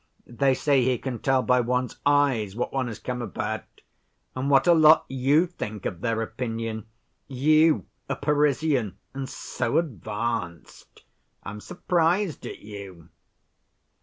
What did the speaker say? They say he can tell by one's eyes what one has come about. And what a lot you think of their opinion! you, a Parisian, and so advanced. I'm surprised at you."